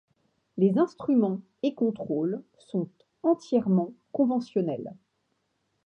Les instruments et contrôles sont entièrement conventionnels.